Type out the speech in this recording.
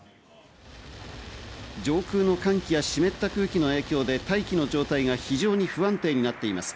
上空の寒気や湿った空気の影響で大気の状態が非常に不安定になっています。